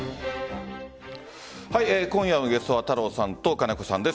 今夜のゲストは太郎さんと金子さんです。